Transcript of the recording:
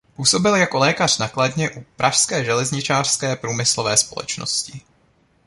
Působil jako lékař na Kladně u „Pražské železářské průmyslové společnosti“.